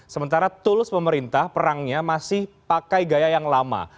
sementara tools pemerintah perangnya masih pakai gaya yang lama